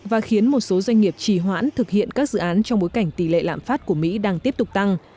và khiến một số doanh nghiệp trì hoãn thực hiện các dự án trong bối cảnh tỷ lệ lạm phát của mỹ đang tiếp tục tăng